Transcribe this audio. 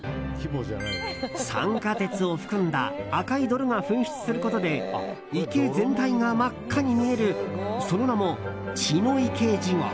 酸化鉄を含んだ赤い泥が噴出することで池全体が真っ赤に見えるその名も血の池地獄。